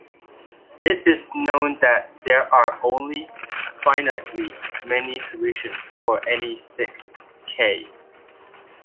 It is known that there are only finitely many solutions for any fixed "k".